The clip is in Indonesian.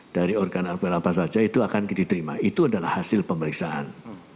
dari organ apel apa saja itu akan diterima itu adalah hasil pemeriksaan